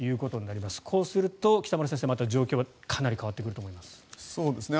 こうすると北村先生、また状況はかなり変わってくると思います。